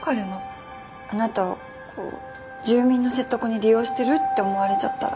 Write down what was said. あなたを住民の説得に利用してるって思われちゃったらかわいそうだし。